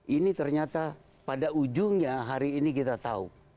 ini ternyata pada ujungnya hari ini kita tahu